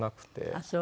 あっそう。